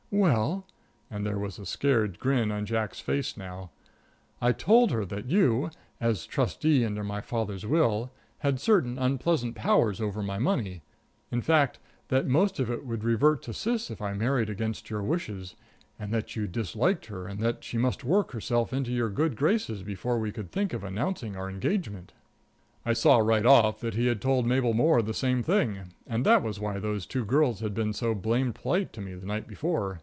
"Well," and there was a scared grin on Jack's face now; "I told her that you, as trustee under father's will, had certain unpleasant powers over my money in fact, that most of it would revert to Sis if I married against your wishes, and that you disliked her, and that she must work herself into your good graces before we could think of announcing our engagement." I saw right off that he had told Mabel Moore the same thing, and that was why those two girls had been so blamed polite to me the night before.